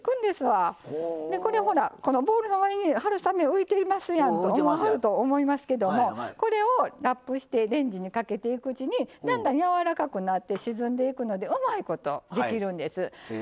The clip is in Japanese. ボウルの割に春雨浮いていますやんと思わはると思いますけどもこれをラップしてレンジにかけていくうちにやわらかくなって沈んでいくのでうまいことできるんです。